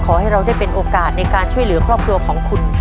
ขอให้เราได้เป็นโอกาสในการช่วยเหลือครอบครัวของคุณ